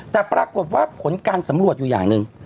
แต่ปรากฏว่าผลการสำรวจอยู่อย่างหนึ่ง